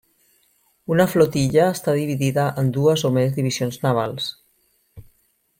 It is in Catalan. Una flotilla està dividida en dues o més divisions navals.